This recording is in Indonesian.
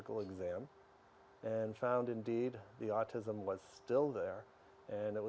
dan menemukan bahwa autism masih ada